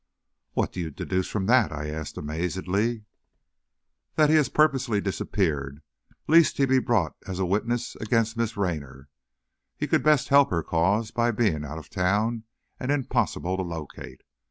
"What do you deduce from that?" I asked, amazedly. "That he has purposely disappeared, lest he be brought as a witness against Miss Raynor. He could best help her cause, by being out of town and impossible to locate.